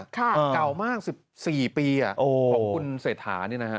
เก่ามาก๑๔ปีของคุณเศรษฐานี่นะฮะ